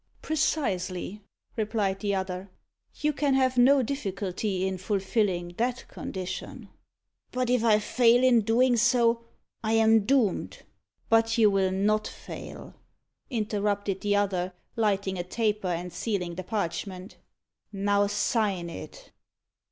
"Precisely," replied the other; "you can have no difficulty in fulfilling that condition." "But if I fail in doing so, I am doomed " "But you will not fail," interrupted the other, lighting a taper and sealing the parchment. "Now sign it."